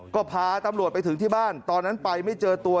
ก็พาตำรวจไปถึงที่บ้านตอนนั้นไปไม่เจอตัว